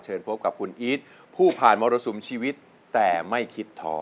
พบกับคุณอีทผู้ผ่านมรสุมชีวิตแต่ไม่คิดท้อ